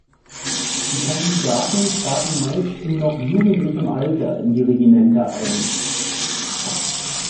Die Kandidaten traten meist in noch jugendlichem Alter in die Regimenter ein.